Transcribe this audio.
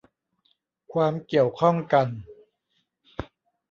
ความเกี่ยวข้องกัน